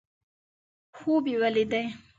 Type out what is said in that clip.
خوب ولیدي.